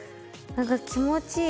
何か気持ちいい